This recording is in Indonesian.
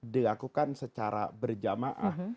dilakukan secara berjamaah